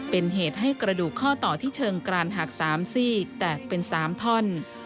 เป็นเหตุให้กระดูกข้อต่อที่เชิงกรานหัก๓ซี่แตกเป็น๓ท่อน